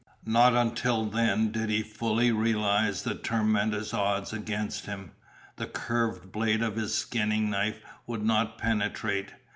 Not until then did he fully realize the tremendous odds against him. The curved blade of his skinning knife would not penetrate!